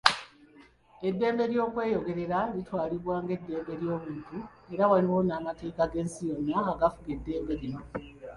Eddembe ly'okweyogerera litwalibwa ng'eddembe ly'obuntu era waliwo n'amateeka g'ensi yonna agafuga eddembe lino